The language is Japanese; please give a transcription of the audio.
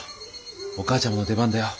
お母ちゃまの出番だよ。